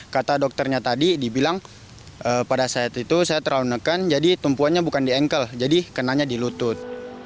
kata dokternya tadi dibilang pada saat itu saya terlalu neken jadi tumpuannya bukan di engkel jadi kenanya di lutut